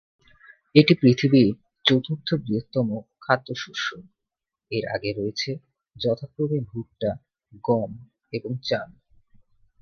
এটি পৃথিবীর চতুর্থ বৃহত্তম খাদ্যশস্য, এর আগে রয়েছে যথাক্রমে ভুট্টা, গম এবং চাল।